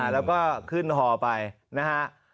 แล้วก็ขึ้นฮอไปนะฮะ